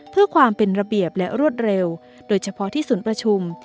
เพื่อความเป็นระเบียบและรวดเร็วโดยเฉพาะที่ศูนย์ประชุม